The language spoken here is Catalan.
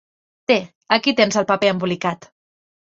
Té, aquí tens el paper embolicat.